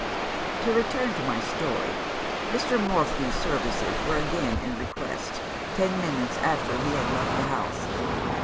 "To return to my story. Mr. Morphew's services were again in request, ten minutes after he had left the house.